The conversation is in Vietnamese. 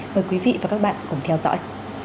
mời quý vị và các bạn cùng theo dõi